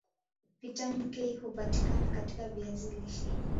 vitamini K hupatikana katika viazi lishe